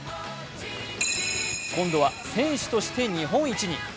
今度は選手として日本一に。